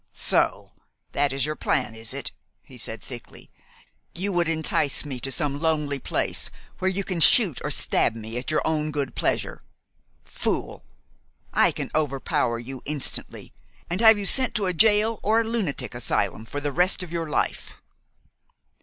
"So that is your plan, is it?" he said thickly. "You would entice me to some lonely place, where you can shoot or stab me at your own good pleasure. Fool! I can overpower you instantly, and have you sent to a jail or a lunatic asylum for the rest of your life."